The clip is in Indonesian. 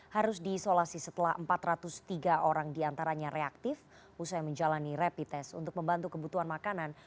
harus diisolasi setelah empat ratus tiga orang diantaranya reaktif usai menjalani rapid test untuk membantu kebutuhan makanan